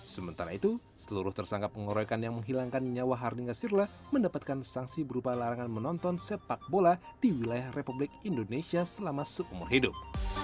sementara itu seluruh tersangka pengorekan yang menghilangkan nyawa hardinga sirla mendapatkan sanksi berupa larangan menonton sepak bola di wilayah republik indonesia selama seumur hidup